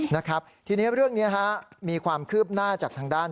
นะครับทีนี้เรื่องนี้ฮะมีความคืบหน้าจากทางด้าน